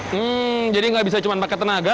hmm jadi nggak bisa cuma pakai tenaga